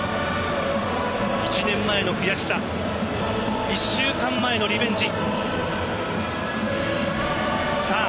１年前の悔しさ１週間前のリベンジ